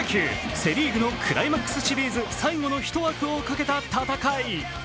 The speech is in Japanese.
セ・リーグのクライマックスシリーズ最後の１枠をかけた戦い。